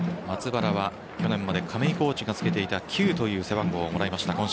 松原は去年まで亀井コーチが着けていた９という背番号をもらいました